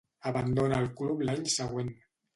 Abandona el club l'any següent.